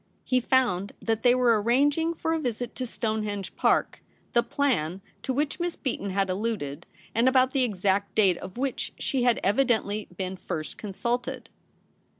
He found that they were arranging for a visit to Stonehenge Park, the ' plan ' to which Miss Beaton had alluded, and about the exact date of which she had evidently been first consulted.